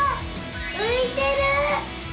ういてる！